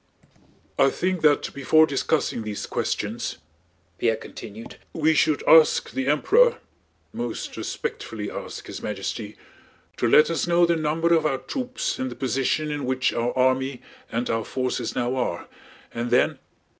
"I think that before discussing these questions," Pierre continued, "we should ask the Emperor—most respectfully ask His Majesty—to let us know the number of our troops and the position in which our army and our forces now are, and then..."